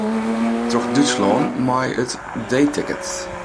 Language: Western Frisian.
Troch Dútslân mei it D-ticket.